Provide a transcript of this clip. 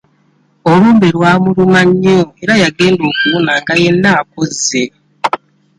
Olumbe lwamuluma nnyo era yagenda okuwona nga yenna akozze.